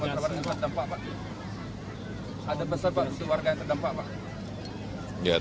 ada besar pak warga yang terdampak pak